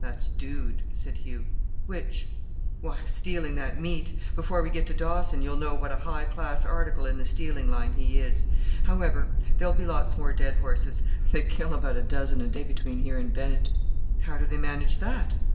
"That's Dude," said Hugh. "Which?" asked John. "Why, stealing that meat. Before we get to Dawson you'll know what a high class article in the stealing line he is. However, there'll be lots more dead horses: they kill about a dozen a day between here and Bennett." "How do they manage that?"